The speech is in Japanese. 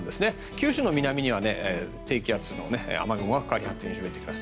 九州の南には低気圧の雨雲がかかってきます。